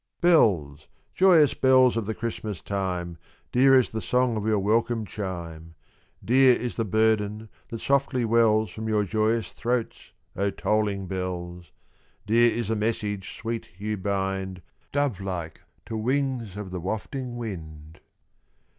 _) Bells, joyous bells of the Christmas time, Dear is the song of your welcome chime; Dear is the burden that softly wells From your joyous throats, O tolling bells! Dear is the message sweet you bind Dove like to wings of the wafting wind.